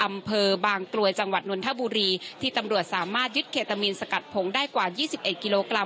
อำเภอบางกรวยจังหวัดนนทบุรีที่ตำรวจสามารถยึดเคตามีนสกัดผงได้กว่ายี่สิบเอ็ดกิโลกรัม